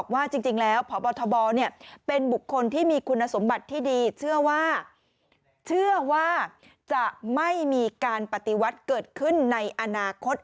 วัดเกิดขึ้นในอนาคต